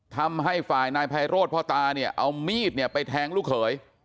ทำให้ฝ่ายนายไพโรธพ่อตาเนี่ยเอามีดเนี่ยไปแทงลูกเขย